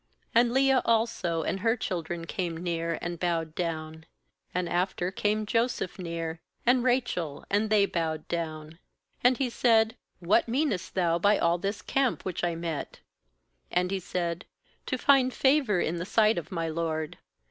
7And Leah also and her children came near, and bowed down; and after came Joseph near and Rachel, and they bowed down. 8And he said: 'What meanest thou by all this camp which I met? ' And he said: ' To find favour in the sight of my lord.'